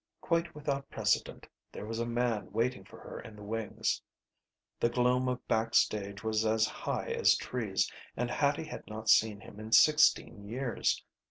Quite without precedent, there was a man waiting for her in the wings. The gloom of back stage was as high as trees and Hattie had not seen him in sixteen years.